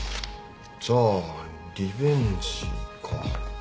じゃあリベンジか。